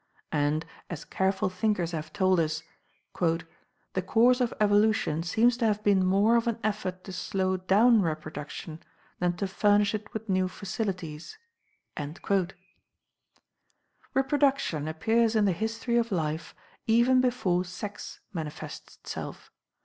And, as careful thinkers have told us "the course of evolution seems to have been more of an effort to slow down reproduction than to furnish it with new facilities." Reproduction appears in the history of life even before sex manifests itself.